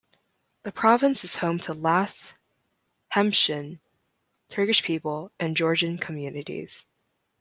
The province is home to Laz, Hemshin, Turkish people and Georgian communities.